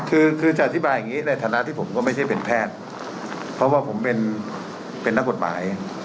คือคือจะอธิบายอย่างนี้ในฐานะที่ผมก็ไม่ใช่เป็นแพทย์เพราะว่าผมเป็นนักกฎหมาย